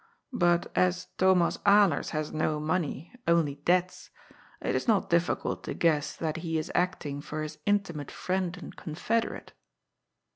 But as Thomas Alers has no money, only debts, it is not difficult to guess that he is acting for his intimate friend and confederate."